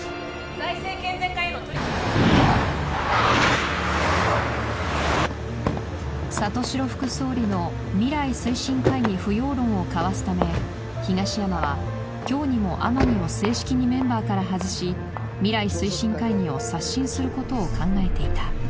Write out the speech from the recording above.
財政健全化への里城副総理の未来推進会議不要論をかわすため東山は今日にも天海を正式にメンバーから外し未来推進会議を刷新することを考えていた